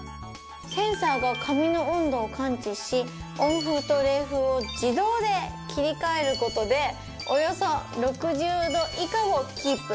センサーが髪の温度を感知し温風と冷風を自動で切り替える事でおよそ６０度以下をキープ。